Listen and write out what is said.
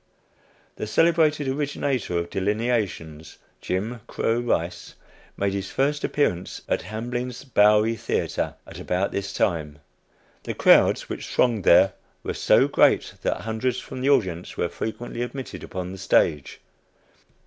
The celebrated originator of delineations, "Jim Crow Rice," made his first appearance at Hamblin's Bowery Theatre at about this time. The crowds which thronged there were so great that hundreds from the audience were frequently admitted upon the stage.